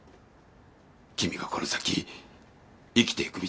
君がこの先生きていく道は。